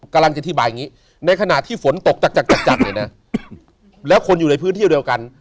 กำลังจะอธิบายอย่างนี้ในขณะที่ฝนตกจัดจัดเนี่ยนะแล้วคนอยู่ในพื้นที่เดียวกัน